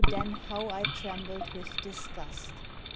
then how I trembled with disgust!"